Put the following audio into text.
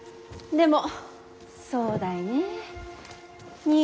でもそうだいねえ。